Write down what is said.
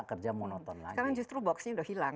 kerja monoton lagi sekarang justru boxnya udah hilang